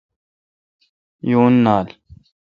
یون نالان۔